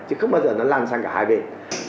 chứ không bao giờ nó lan sang cả hai bên